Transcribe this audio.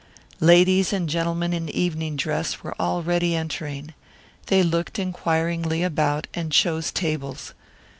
Ladies and gentlemen in evening dress were already entering. They looked inquiringly about and chose tables.